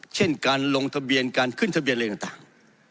เช่นการลงทะเบียนการขึ้นทะเบียนอะไรต่าง